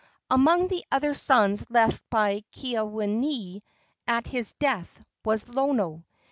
Among the other sons left by Keawenui at his death was Lono.